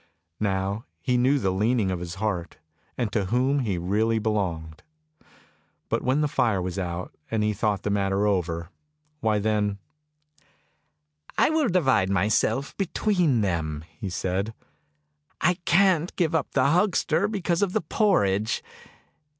Now he knew the leaning of his heart, and to whom he really belonged; but when the fire was out and he thought the matter over — why then —" I will divide myself between them," he said. " I can't give up the huckster, because of the porridge."